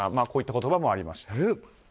こういった言葉もありました。